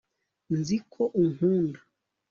nzi ko unkunda